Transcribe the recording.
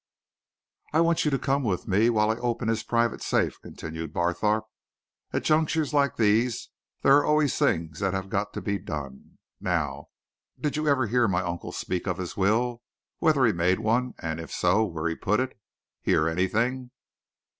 "I want you to come with me while I open his private safe," continued Barthorpe. "At junctures like these there are always things that have got to be done. Now, did you ever hear my uncle speak of his will whether he'd made one, and, if so, where he'd put it? Hear anything?"